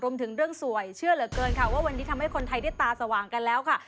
รวมถึงเรื่องสวยเชื่อเหลือเกินค่ะว่าวันนี้ทำให้คนไทยได้ตาสว่างกันแล้วค่ะ